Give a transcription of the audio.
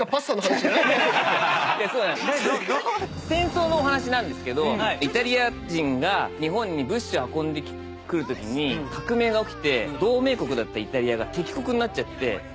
戦争のお話なんですけどイタリア人が日本に物資を運んでくるときに革命が起きて同盟国だったイタリアが敵国になっちゃって。